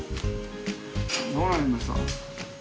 どうなりました？